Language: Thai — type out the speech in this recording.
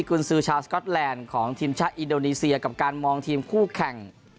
คุณซื้อชาวสก๊อตแลนด์ของทีมชาติอินโดนีเซียกับการมองทีมคู่แข่ง